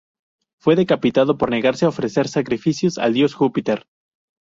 Fue decapitada por negarse a ofrecer sacrificios al dios Júpiter.